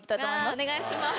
お願いします。